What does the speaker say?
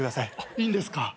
いいんですか？